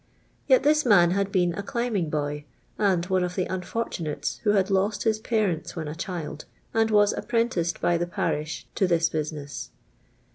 Yet tiiia man had been a climbing boy, and one of the iinfiirtuiiate:» who had lo.xt his fiarentfl when a child, and was apprentice.l by the parish to this bu»ine8s.